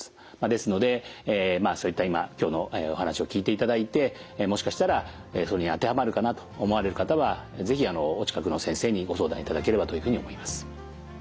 ですのでそういった今今日のお話を聞いていただいてもしかしたらそういうのに当てはまるかなと思われる方は是非お近くの先生にご相談いただければというふうに思います。